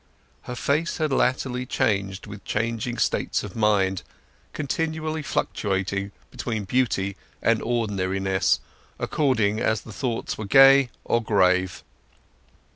Her face had latterly changed with changing states of mind, continually fluctuating between beauty and ordinariness, according as the thoughts were gay or grave.